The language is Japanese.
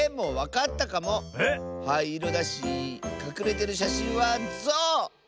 はいいろだしかくれてるしゃしんはゾウ！